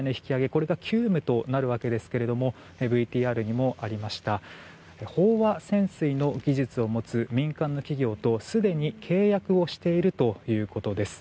これが急務となるわけですがＶＴＲにもありました飽和潜水の技術を持つ民間の企業とすでに契約をしているということです。